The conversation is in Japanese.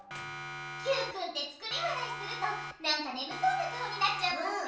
Ｑくんて作り笑いするとなんかねむそうな顔になっちゃうもんね。